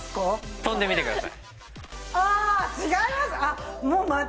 跳んでみてください。